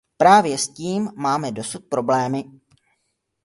Právě s tím máme dosud problémy.